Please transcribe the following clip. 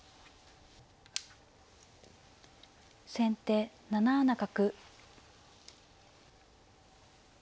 先手７七角。